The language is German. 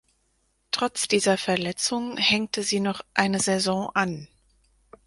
Trotz dieser Verletzung hängte sie noch eine Saison an.